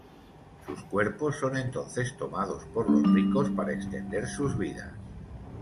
Sus cuerpos son entonces tomados por los ricos para extender sus vidas.